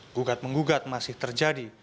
gugat menggugat masih terjadi